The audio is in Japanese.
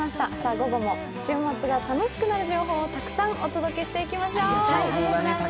午後も週末が楽しくなる情報をたくさんお届けしていきましょう。